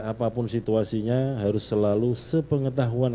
apapun situasinya harus selalu sepengetahuan